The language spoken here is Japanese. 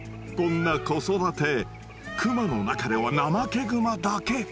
こんな子育てクマの中ではナマケグマだけ。